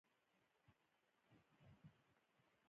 په شلمه پېړۍ کې هم کارګرانو پر لاس کار کاوه.